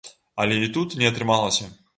Але і тут не атрымалася.